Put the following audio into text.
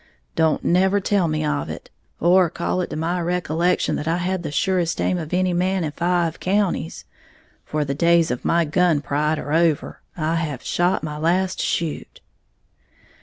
"Don't never tell me of it, or call it to my recollection that I had the surest aim of any man in five counties; for the days of my gun pride are over; I have shot my last shoot!"